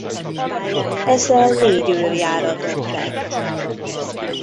Ezzel négy őrjáratot tett.